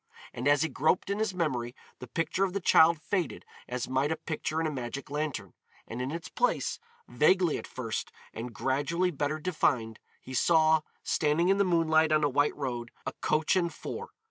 And as he groped in his memory the picture of the child faded as might a picture in a magic lantern, and in its place, vaguely at first and gradually better defined, he saw, standing in the moonlight, on a white road, a coach and four.